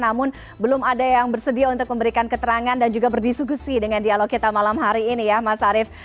namun belum ada yang bersedia untuk memberikan keterangan dan juga berdiskusi dengan dialog kita malam hari ini ya mas arief